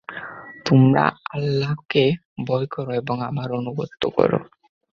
তোমরা আল্লাহকে ভয় কর এবং আমার আনুগত্য কর।